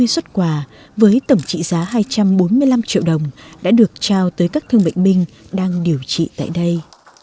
sáu mươi xuất quà với tổng trị giá hai trăm bốn mươi năm triệu đồng đã được trao tới các thương bệnh binh đang điều trị tại đây